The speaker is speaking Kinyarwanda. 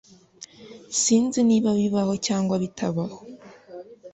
Sinzi niba bibaho cyangwa bitabaho